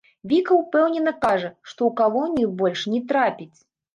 Віка ўпэўнена кажа, што ў калонію больш не трапіць.